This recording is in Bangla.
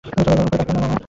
উপরে তাকিয়ো না!